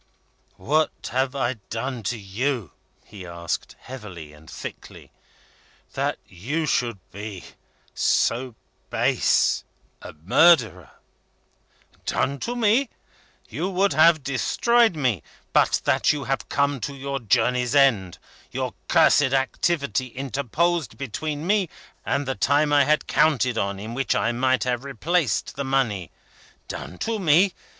"What have I done to you," he asked, heavily and thickly, "that you should be so base a murderer?" "Done to me? You would have destroyed me, but that you have come to your journey's end. Your cursed activity interposed between me, and the time I had counted on in which I might have replaced the money. Done to me?